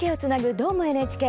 「どーも、ＮＨＫ」。